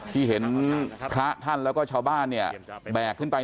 ที่เห็นพระท่านแล้วก็ชาวบ้านเนี่ยแบกขึ้นไป